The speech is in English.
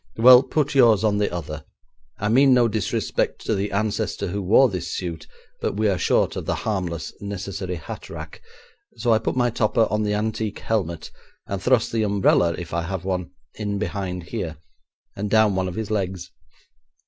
Well, put yours on the other. I mean no disrespect to the ancestor who wore this suit, but we are short of the harmless, necessary hat rack, so I put my topper on the antique helmet, and thrust the umbrella (if I have one) in behind here, and down one of his legs.